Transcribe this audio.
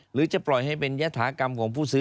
หรือจะปล่อยให้เป็นยฐากรรมของผู้ซื้อ